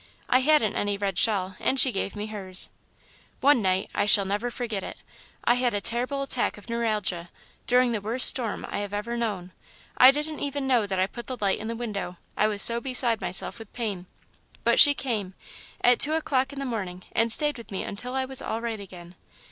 I hadn't any red shawl and she gave me hers. "One night I shall never forget it I had a terrible attack of neuralgia, during the worst storm I have ever known. I didn't even know that I put the light in the window I was so beside myself with pain but she came, at two o'clock in the morning, and stayed with me until I was all right again.